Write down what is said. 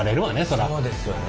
そうですよね。